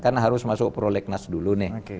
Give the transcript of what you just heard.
kan harus masuk prolegnas dulu nih